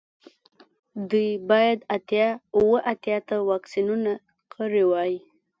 دوی باید اتیا اوه اتیا ته واکسینونه کړي وای